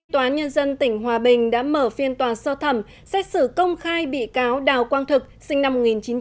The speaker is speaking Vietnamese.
tòa án nhân dân tỉnh hòa bình đã mở phiên tòa sơ thẩm xét xử công khai bị cáo đào quang thực sinh năm một nghìn chín trăm tám mươi